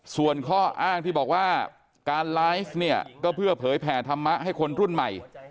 ส่วนข้ออ้างที่บอกว่าการไลฟ์เนี่ยก็เพื่อเผยแผ่ธรรมะให้คนรุ่นใหม่